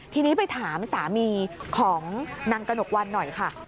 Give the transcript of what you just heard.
ทีนี้ไปถามสามีของนางกระหนกวันหน่อยค่ะ